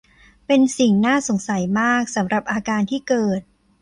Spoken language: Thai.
เป็นสิ่งน่าสงสัยมากสำหรับอาการที่เกิด